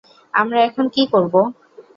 আমরা এখন কী করবো?